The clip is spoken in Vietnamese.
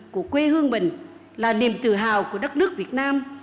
của quê hương mình là niềm tự hào của đất nước việt nam